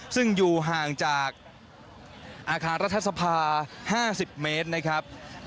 ซึ่งอยู่ห่างจากอาคารรัฐสภา๕๐เมตรนะครับ